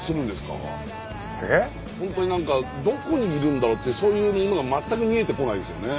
本当に何かどこにいるんだろうってそういうものが全く見えてこないんですよね。